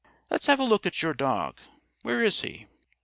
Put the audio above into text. Let's have a look at your dog. Where is he?"